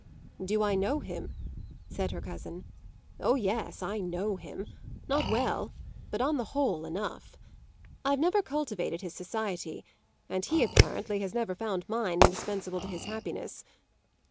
"Do I know him?" said her cousin. "Oh, yes, I 'know' him; not well, but on the whole enough. I've never cultivated his society, and he apparently has never found mine indispensable to his happiness.